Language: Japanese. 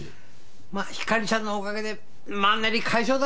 まあひかりちゃんのおかげでマンネリ解消だ！